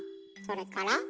それから？